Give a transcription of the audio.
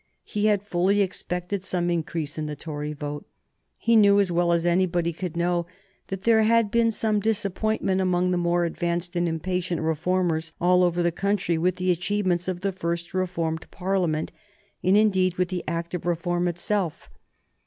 He had fully expected some increase in the Tory vote. He knew, as well as anybody could know, that there had been some disappointment among the more advanced and impatient reformers all over the country with the achievements of the first reformed Parliament, and, indeed, with the Act of Reform itself.